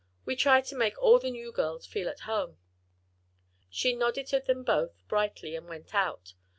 We try to make all the new girls feel at home." She nodded to them both brightly and went out.